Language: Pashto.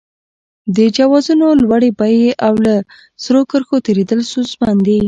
د جوازونو لوړې بیې او له سرو کرښو تېرېدل ستونزمن دي.